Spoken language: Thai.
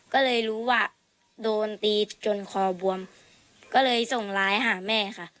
ก็เลยรู้ว่าโดนตีจนคอบวมก็เลยส่งไลน์หาแม่ค่ะ